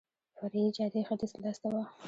فرعي جادې ختیځ لاس ته وه.